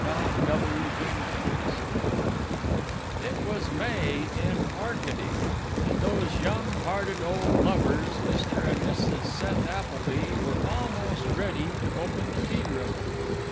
CHAPTER V It was May in Arcady, and those young hearted old lovers, Mr. and Mrs. Seth Appleby, were almost ready to open the tea room.